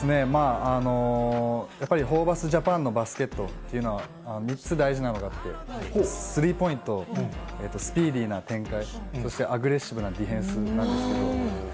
やっぱりホーバスジャパンのバスケットというのは、３つ大事なのがあって、スリーポイント、スピーディーな展開、そしてアグレッシブなディフェンスなんですけど。